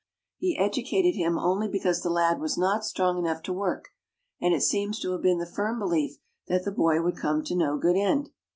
He educated him only because the lad was not strong enough to work, and it seems to have been the firm belief that the boy would come to no good end.